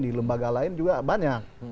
di lembaga lain juga banyak